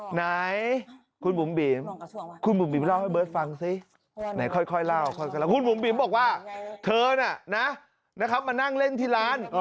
ไหนค่อยเล่าคุณหมุมบิ๋มบอกว่าเธอนะนะครับมานั่งเล่นที่ร้าน